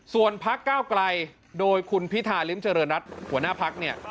ส่วนพักก้าวไกลโดยคุณพิธาริมเจริญรัฐหัวหน้าพักเนี่ย